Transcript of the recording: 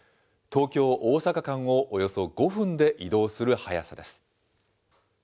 東京・大阪間をおよそ５分で移動する速さです。